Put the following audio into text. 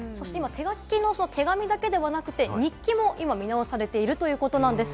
今、手書きの手紙だけではなくて、日記も見直されているということなんです。